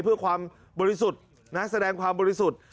เพื่อความบริสุทธิ์แสดงความบริสุทธิ์